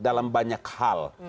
dalam banyak hal